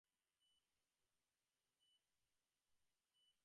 অনেক সময় দেখি, আমি তো ভগবানকে চাই না, বরং তদপেক্ষা খাদ্যদ্রব্যই ভালবাসি।